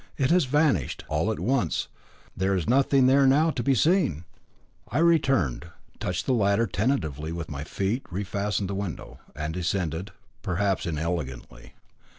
It has vanished. All at once. There is nothing there now to be seen." I returned, touched the ladder tentatively with my feet, refastened the window, and descended perhaps inelegantly.